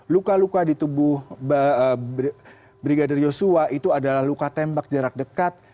luka luka di tubuh brigadir yosua itu adalah luka tembak jarak dekat